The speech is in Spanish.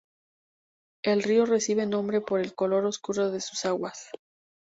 El río recibe este nombre por el color oscuro de sus aguas.